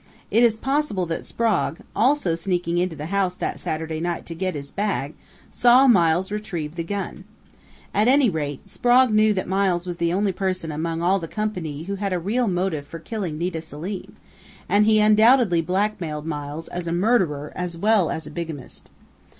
It is possible that Sprague, also sneaking into the house that Saturday night to get his bag, saw Miles retrieve the gun. At any rate, Sprague knew that Miles was the only person among all the company who had a real motive for killing Nita Selim, and he undoubtedly blackmailed Miles as a murderer as well as a bigamist.